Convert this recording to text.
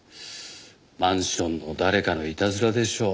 マンションの誰かのいたずらでしょう。